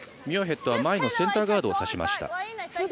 ミュアヘッドは前のセンターガードを指しました。